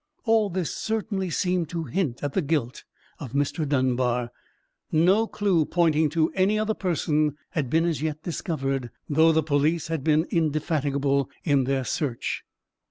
All this certainly seemed to hint at the guilt of Mr. Dunbar. No clue pointing to any other person had been as yet discovered, though the police had been indefatigable in their search.